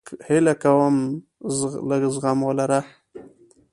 هیله کوم لږ زغم ولره